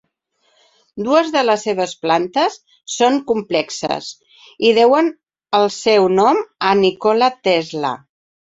Dues de les seves plantes són complexes i deuen el seu nom a Nikola Tesla.